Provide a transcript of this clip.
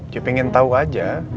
cuma pengen tau aja